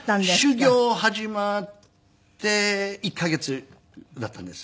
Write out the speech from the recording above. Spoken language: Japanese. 修業始まって１カ月だったんです。